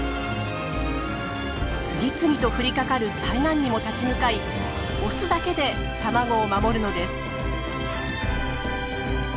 次々と降りかかる災難にも立ち向かいオスだけで卵を守るのです。